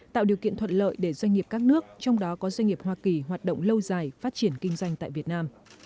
tạo điều kiện thuận lợi để doanh nghiệp các nước trong đó có doanh nghiệp hoa kỳ hoạt động lâu dài phát triển kinh doanh tại việt nam